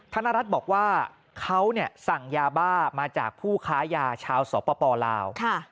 ธนรัฐบอกว่าเขาสั่งยาบ้ามาจากผู้ค้ายาชาวสปลาว